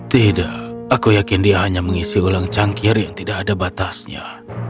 tidak aku yakin dia hanya mengisi ulang cangkir yang tidak ada batasnya